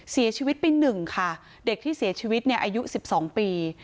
เสียชีวิตไป๑ค่ะเด็กที่เสียชีวิตเนี่ยอายุ๑๒ปี